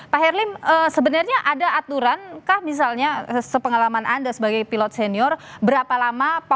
pak herlim sebenarnya ada aturan kah misalnya sepengalaman anda sebagai pilot senior berapa lama power nap itu bisa dilakukan oleh pilot senior